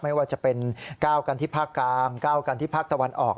ไม่ว่าจะเป็น๙กันที่ภาคกลาง๙กันที่ภาคตะวันออก